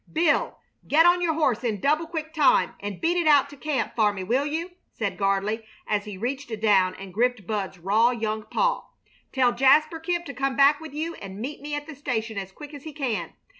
"Bill, get on your horse in double quick time and beat it out to camp for me, will you?" said Gardley, as he reached down and gripped Bud's rough young paw. "Tell Jasper Kemp to come back with you and meet me at the station as quick as he can.